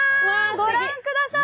ご覧ください！